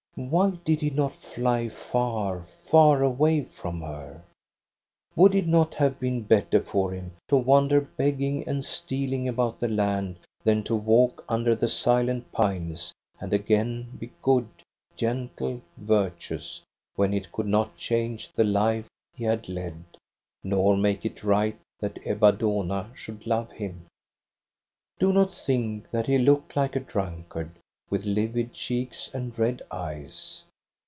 Why did he not fly far, far away from her? Would it not have been better for him to wander begging and stealing about the land than to walk under the silent pines and again be good, gentle, virtuous, when it could not change the life he had led, nor make it right that Ebba Dohna should love him? "Do not think that he looked like a drunkard, with livid cheeks and red eyes.